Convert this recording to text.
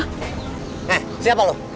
eh siapa lo